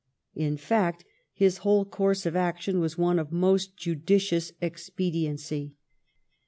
In fact, his whole course of action was one of most judicious expediency.